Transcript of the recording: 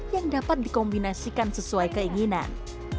yang dapat dikombinasikan sesuai keinginan